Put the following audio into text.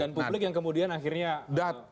dan publik yang kemudian akhirnya